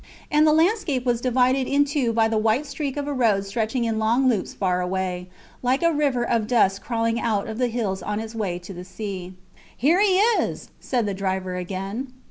And the landscape was divided in two by the white streak of a road stretching in long loops far away, like a river of dust crawling out of the hills on its way to the sea. Here he is, said the driver, again.